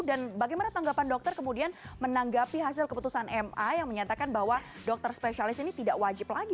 dan bagaimana tanggapan dokter kemudian menanggapi hasil keputusan ma yang menyatakan bahwa dokter spesialis ini tidak wajib lagi